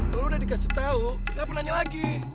lo udah dikasih tau kenapa nanya lagi